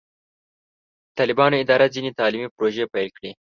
د طالبانو اداره ځینې تعلیمي پروژې پیل کړې.